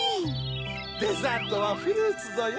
デザートはフルーツぞよ。